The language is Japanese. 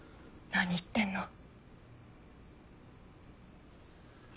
何言ってんの。